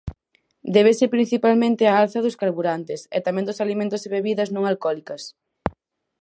Débese principalmente á alza dos carburantes, e tamén dos alimentos e bebidas non alcólicas.